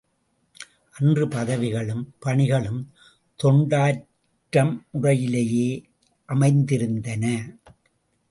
அன்று பதவிகளும் பணிகளும் தொண்டாற்றம் முறையிலேயே அமைந்திருந்தன.